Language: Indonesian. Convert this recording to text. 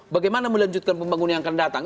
bagaimana melanjutkan pembangunan yang akan datang